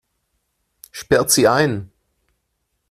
Sperrt sie ein!